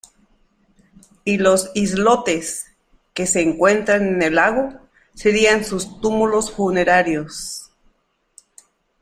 Y los islotes que se encuentran en el lago serían sus túmulos funerarios.